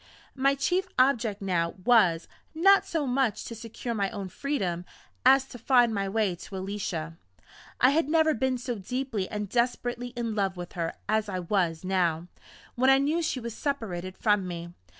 My chief object now was, not so much to secure my own freedom, as to find my way to Alicia. I had never been so deeply and desperately in love with her as I was now, when I knew she was separated from me.